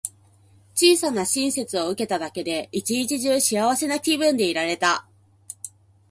小さな親切を受けただけで、一日中幸せな気分でいられた。